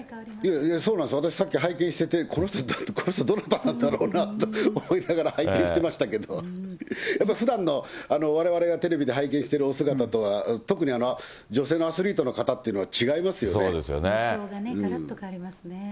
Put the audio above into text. そうなんです、私さっき拝見してて、この人どなたなんだろうなと思いながら拝見してましたけど、やっぱふだんのわれわれがテレビで拝見しているお姿とは、特に女性のアスリートの方っていうのは違いますよね。